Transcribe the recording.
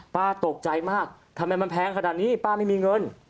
ป้าตกใจมากทำไมมันแพงขนาดนี้ป้าไม่มีเงิน